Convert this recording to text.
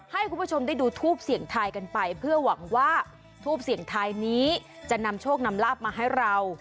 ให้คุณผู้ชมได้ดูทูปเสี่ยงทายกันไปเพื่อหวังว่าทูปเสี่ยงทายนี้จะนำโชคนำลาบมาให้เรา